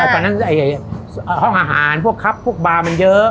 ตอนนั้นห้องอาหารพวกครับพวกบาร์มันเยอะ